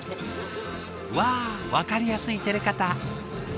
わあ分かりやすいてれ方。